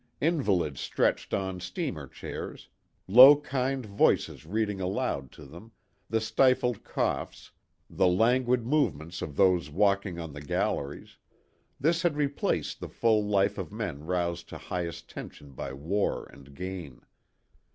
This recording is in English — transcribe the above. Invalids stretched on steamer chairs low kind voices reading aloud to them the stifled coughs the languid movements 128 THE TWO WILLS. of those walking on the galleries this had replaced the full life of men roused to highest tension by war and gain.